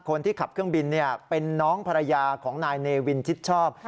คนที่ขับเครื่องบินเป็นน้องภรรยาของนายเนวินชิดชอบ